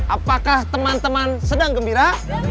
apakah teman teman sedang gembira